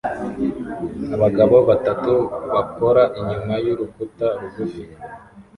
Abagabo batatu bakora inyuma y'urukuta rugufi